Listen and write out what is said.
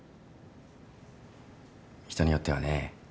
人によってはね